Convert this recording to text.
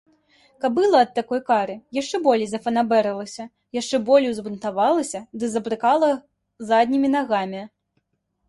Кабыла ад такой кары яшчэ болей зафанабэрылася, яшчэ болей узбунтавалася ды забрыкала заднімі нагамі.